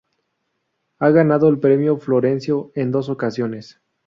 Ha ganado el Premio Florencio en dos ocasiones.